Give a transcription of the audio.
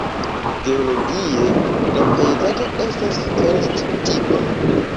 Geologie la pejzaĝo estas karst-tipa.